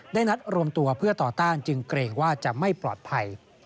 นัดรวมตัวเพื่อต่อต้านจึงเกรงว่าจะไม่ปลอดภัย